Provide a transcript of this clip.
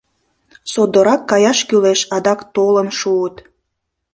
Содоррак каяш кӱлеш, адак толын шуыт.